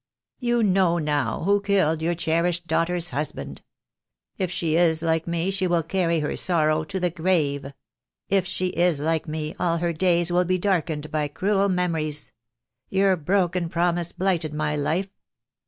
"You know now who killed your cherished daughter's husband. If she is like me she will carry her sorrow to the grave. If she is like me all her days will be darkened by cruel memories. Your broken promise blighted my life.